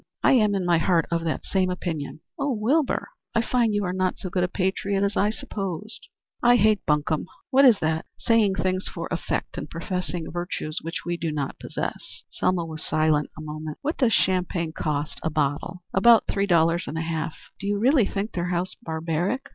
"I am, in my heart, of the same opinion." "Oh, Wilbur. I find you are not so good a patriot as I supposed." "I hate bunkum." "What is that?" "Saying things for effect, and professing virtue which we do not possess." Selma was silent a moment. "What does champagne cost a bottle?" "About three dollars and a half." "Do you really think their house barbaric?"